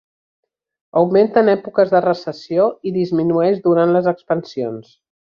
Augmenta en èpoques de recessió i disminueix durant les expansions.